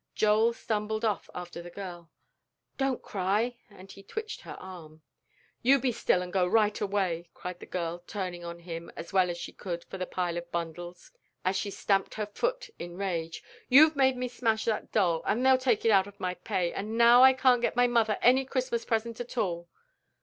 Joel stumbled off after the girl. "Don't cry," and he twitched her arm. "You be still, and go right away," cried the girl, turning on him as well as she could for the pile of bundles, and she stamped her foot in rage; "you've made me smash that doll, and they'll take it out of my pay, and now I can't get my mother any Christmas present at all."